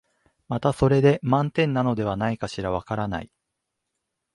またそれで満点なのではないかしら、わからない、